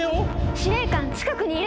司令官近くにいる！